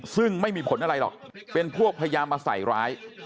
ซึ่งไม่มีผลอะไรหรอกเป็นพวกพยายามมาใส่ร้าย